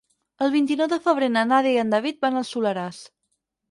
El vint-i-nou de febrer na Nàdia i en David van al Soleràs.